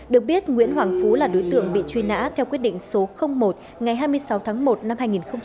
được biết nguyễn hoàng phú là đối tượng bị truy nã theo quyết định số một ngày hai mươi sáu tháng một năm hai nghìn một mươi bảy